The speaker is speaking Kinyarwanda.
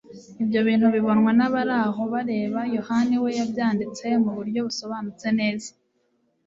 Ibyo bintu bibonwa n'abari aho bareba, Yohana we yabyanditse mu buryo busobanutse neza.